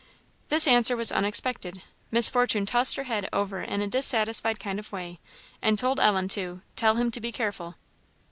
This answer was unexpected. Miss Fortune tossed her head over in a dissatisfied kind of way, and told Ellen to "tell him to be careful."